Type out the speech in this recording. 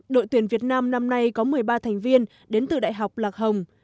đội tuyển việt nam năm nay có một mươi ba thành viên đến từ đại học lạc hồng